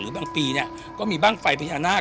หรือบางปีเนี่ยก็มีบางไฟพยานาค